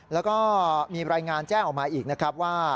แล้วก็มีรายงานแจ้งออกมาอีกนะครับว่า